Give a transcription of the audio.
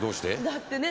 だってね